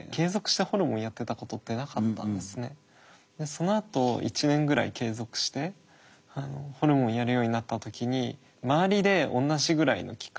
そのあと１年ぐらい継続してホルモンをやるようになった時に周りでおんなじぐらいの期間